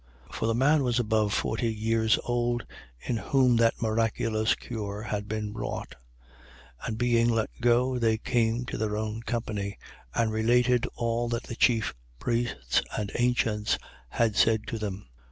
4:22. For the man was above forty years old, in whom that miraculous cure had been wrought. 4:23. And being let go, they came to their own company and related all that the chief priests and ancients had said to them.